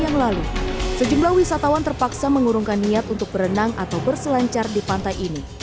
yang lalu sejumlah wisatawan terpaksa mengurungkan niat untuk berenang atau berselancar di pantai ini